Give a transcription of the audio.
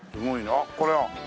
あっこれは。